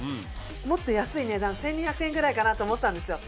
もっと安い値段１２００円ぐらいかなと思ったんですよ。